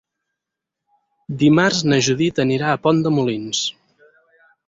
Dimarts na Judit anirà a Pont de Molins.